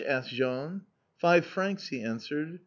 asked Jean. "Five francs," he answered.